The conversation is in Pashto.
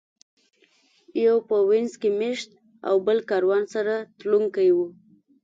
یو په وینز کې مېشت او بل کاروان سره تلونکی و.